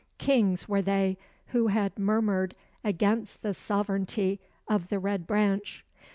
Kings were they, who had murmured against the sovereignty of the Red Branch.